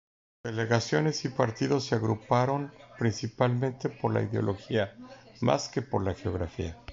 Delegaciones y partidos se agruparon principalmente por la ideología, más que por la geografía.